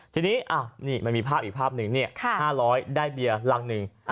ทีนี้อ้าวนี่มันมีภาพอีกภาพหนึ่งเนี่ยค่ะห้าร้อยได้เบียร์ลังหนึ่ง